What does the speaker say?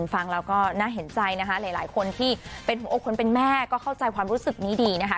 ฟังแล้วก็น่าเห็นใจนะคะหลายคนที่เป็นหัวอกคนเป็นแม่ก็เข้าใจความรู้สึกนี้ดีนะคะ